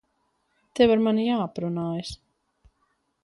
Tev ar mani jāaprunājas.